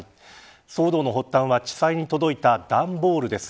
騒動の発端は地裁に届いた段ボールです。